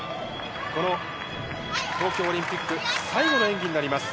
この東京オリンピック、最後の演技になります。